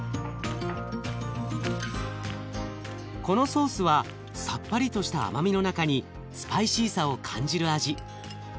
このソースはさっぱりとした甘みの中にスパイシーさを感じる味。